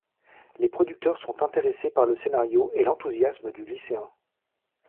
Les producteurs sont intéressés par le scénario et l'enthousiasme du lycéen.